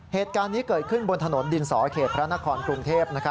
เหตุการณ์นี้เกิดขึ้นบนถนนดินสอเขตพระนครกรุงเทพ